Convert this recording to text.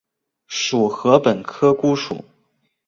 属禾本科菰属。